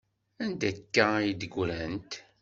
Anda akka ay d-ggrant?